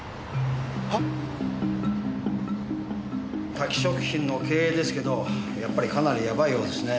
タキ食品の経営ですけどやっぱりかなりやばいようですね。